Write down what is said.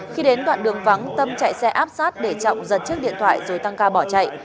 khi đến đoạn đường vắng tâm chạy xe áp sát để trọng giật chiếc điện thoại rồi tăng ca bỏ chạy